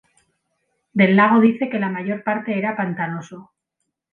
Del lago dice que la mayor parte era pantanoso.